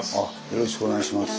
よろしくお願いします。